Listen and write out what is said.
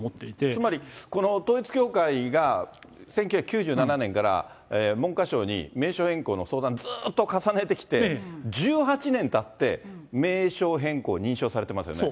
つまり、統一教会が１９９７年から文科省に名称変更の相談、ずっと重ねてきて、１８年たって、名称変更認証されていますよね。